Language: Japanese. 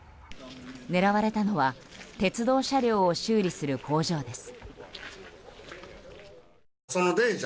狙われたのは鉄道車両を修理する工場です。